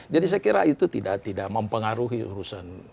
jadi saya kira itu tidak mempengaruhi urusan